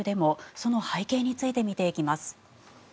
その背景について見ていきます。